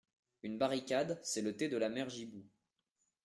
Une barricade, c'est le thé de la mère Gibou.